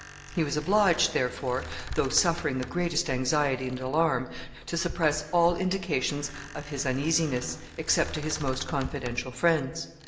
He was obliged, therefore, though suffering the greatest anxiety and alarm, to suppress all indications of his uneasiness, except to his most confidential friends.